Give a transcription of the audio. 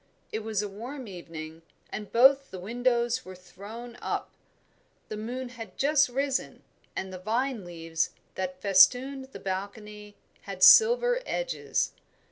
It was a warm evening, and both the windows were thrown up. The moon had just risen, and the vine leaves that festooned the balcony had silver edges.